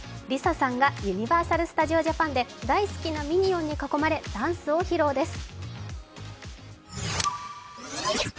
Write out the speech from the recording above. ＬｉＳＡさんがユニバーサル・スタジオ・ジャパンで大好きなミニオンに囲まれダンスを披露です。